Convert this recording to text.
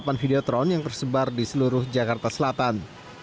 ada lima puluh delapan videotron yang tersebar di seluruh jakarta selatan